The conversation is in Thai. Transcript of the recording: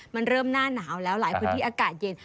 มันเริ่มหน้าหนาวแล้วหลายพื้นที่อากาศเย็น